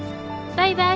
バイバイ。